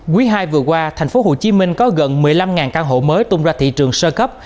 quý ii vừa qua tp hcm có gần một mươi năm căn hộ mới tung ra thị trường sơ cấp